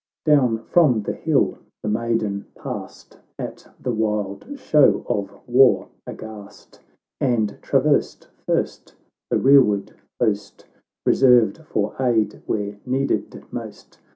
XI Down from the hill the maiden passed, At the wild show of war aghast; And traversed first the rearward host, Reserved for aid where needed most.